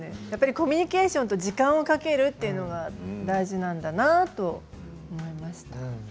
やっぱりコミュニケーション時間をかけるというのが大事なんだなと思いました。